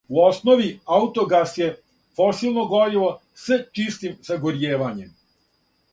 У основи, аутогас је фосилно гориво с чистим сагоријевањем.